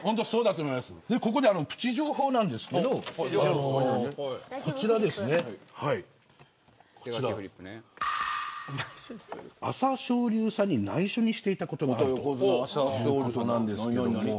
ここで、プチ情報なんですけど朝青龍さんに内緒にしていたことがある。